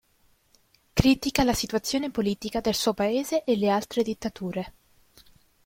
Critica la situazione politica del suo paese e le altre dittature.